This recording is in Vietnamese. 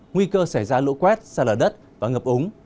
nguy cơ xảy ra lỗ quét xa lở đất và ngập ống